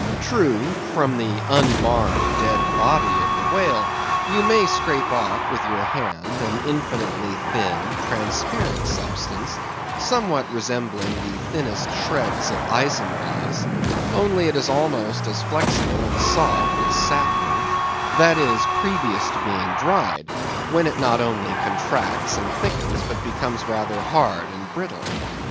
True, from the unmarred dead body of the whale, you may scrape off with your hand an infinitely thin, transparent substance, somewhat resembling the thinnest shreds of isinglass, only it is almost as flexible and soft as satin; that is, previous to being dried, when it not only contracts and thickens, but becomes rather hard and brittle.